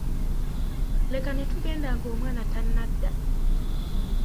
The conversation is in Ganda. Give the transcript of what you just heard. Leka ne tugenda ng'omwana tannadda.